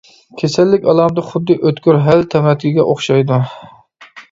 كېسەللىك ئالامىتى خۇددى ئۆتكۈر ھۆل تەمرەتكىگە ئوخشايدۇ.